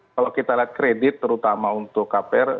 kalau kita lihat kredit terutama untuk kpr